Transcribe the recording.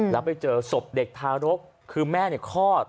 แล้วไปเจอศพเด็กทารกคือแม่คลอด